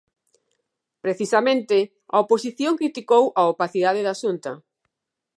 Precisamente, a oposición criticou a opacidade da Xunta.